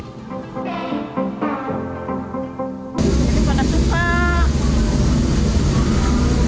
jadi panas susah